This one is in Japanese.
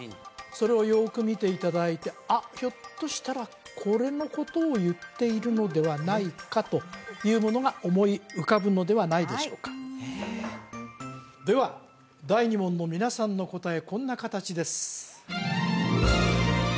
それをよく見ていただいてあっひょっとしたらこれのことを言っているのではないかというものが思い浮かぶのではないでしょうかでは第２問の皆さんの答え